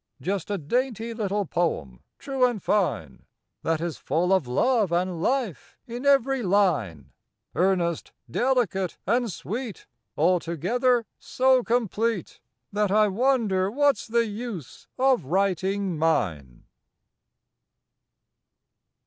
Just a dainty little poem, true and fine, That is full of love and life in every line, Earnest, delicate, and sweet, Altogether so complete That I wonder what's the use of writing mine.